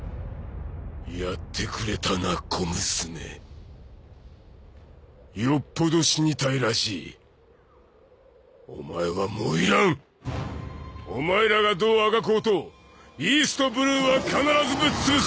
やってくれたな小娘よっぽど死にたいらしいお前はもう要らんお前らがどうあがこうとイーストブルーは必ずぶっつぶす！